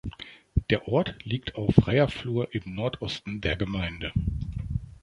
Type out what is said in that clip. Der Ort liegt auf freier Flur im Nordosten der Gemeinde.